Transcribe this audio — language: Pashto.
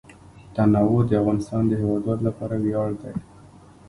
تنوع د افغانستان د هیوادوالو لپاره ویاړ دی.